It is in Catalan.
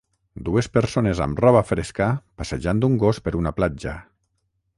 Dues persones amb roba fresca passejant un gos per una platja.